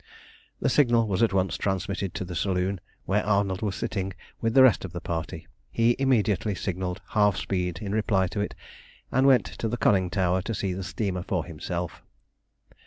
The signal was at once transmitted to the saloon, where Arnold was sitting with the rest of the party; he immediately signalled "half speed" in reply to it, and went to the conning tower to see the steamer for himself.